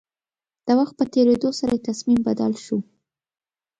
د وخت په تېرېدو سره يې تصميم بدل شو.